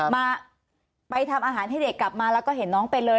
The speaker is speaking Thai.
มาไปทำอาหารให้เด็กกลับมาแล้วก็เห็นน้องเป็นเลย